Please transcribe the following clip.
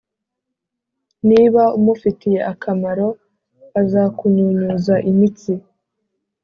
Niba umufitiye akamaro, azakunyunyuza imitsi,